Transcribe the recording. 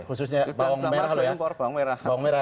khususnya bawang merah